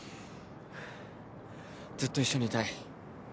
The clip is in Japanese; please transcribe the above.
ずっと一緒にいたい。